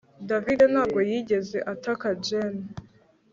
David ntabwo yigeze ataka Jane